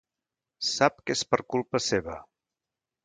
Sap que és per culpa seva.